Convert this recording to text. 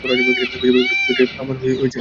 খুঁজে বের করার পদ্ধতি টা আমার নিজের ছিল।